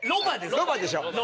ロバでしょ？